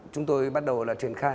chúng tôi bắt đầu là truyền khai